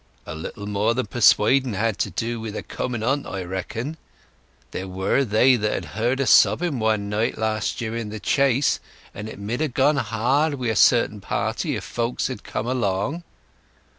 "A little more than persuading had to do wi' the coming o't, I reckon. There were they that heard a sobbing one night last year in The Chase; and it mid ha' gone hard wi' a certain party if folks had come along."